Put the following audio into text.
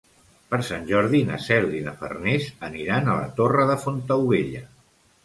Per Sant Jordi na Cel i na Farners aniran a la Torre de Fontaubella.